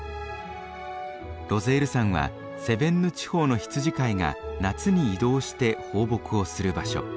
ロゼール山はセヴェンヌ地方の羊飼いが夏に移動して放牧をする場所。